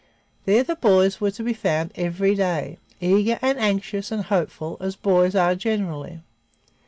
There the boys were to be found every day, eager and anxious and hopeful as boys are generally.